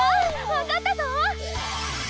わかったぞ！